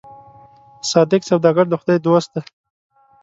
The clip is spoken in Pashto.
صادق سوداګر د خدای دوست دی.